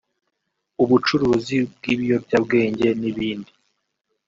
ubucuruzi bw’ ibiyobyabwenge n’ ibindi